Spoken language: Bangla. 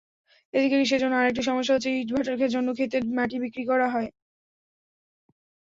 এদিকে কৃষির জন্য আরেকটি সমস্যা হচ্ছে, ইটভাটার জন্য খেতের মাটি বিক্রি করা।